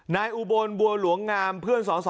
อุบลบัวหลวงงามเพื่อนสอสอ